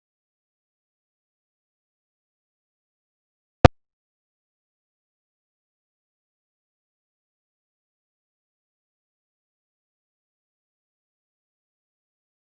หมายความวินัจ